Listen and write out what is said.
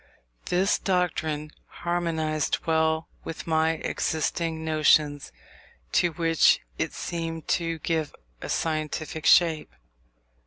This doctrine harmonized well with my existing notions, to which it seemed to give a scientific shape.